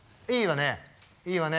いいわね！